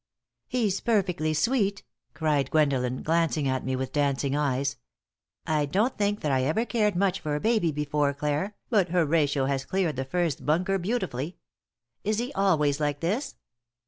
"He's perfectly sweet!" cried Gwendolen, glancing at me with dancing eyes. "I don't think that I ever cared much for a baby before, Clare, but Horatio has cleared the first bunker beautifully. Is he always like this?"